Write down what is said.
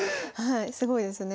すごいですね。